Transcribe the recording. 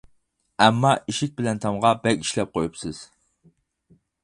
ئەمما ئىشىك بىلەن تامغا بەك ئىشلەپ قويۇپسىز.